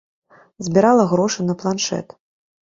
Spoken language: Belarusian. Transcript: Збірала грошы на планшэт.